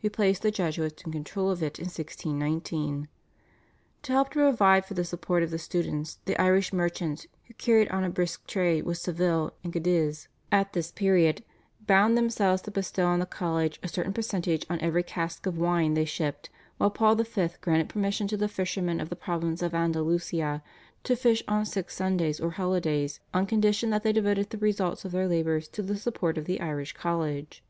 who placed the Jesuits in control of it in 1619. To help to provide for the support of the students the Irish merchants, who carried on a brisk trade with Seville and Cadiz at this period, bound themselves to bestow on the college a certain percentage on every cask of wine they shipped, while Paul V. granted permission to the fishermen of the province of Andalusia to fish on six Sundays or holidays on condition that they devoted the results of their labours to the support of the Irish College.